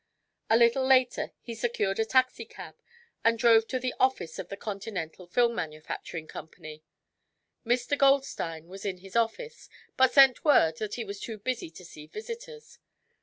A little later he secured a taxicab and drove to the office of the Continental Film Manufacturing Company. Mr. Goldstein was in his office but sent word that he was too busy to see visitors.